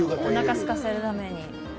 おなかすかせるために。